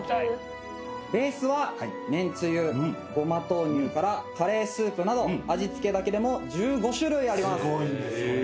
ベースは麺つゆごま豆乳からカレースープなど味付けだけでも１５種類あります。